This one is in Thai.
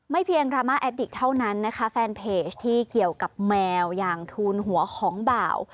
เพียงดราม่าแอดดิกเท่านั้นนะคะแฟนเพจที่เกี่ยวกับแมวอย่างทูลหัวของบ่าว